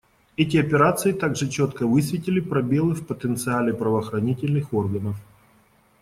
Эти операции также четко высветили пробелы в потенциале правоохранительных органов.